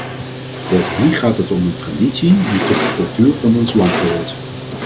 Bovendien gaat het om een traditie die tot de cultuur van ons land behoort.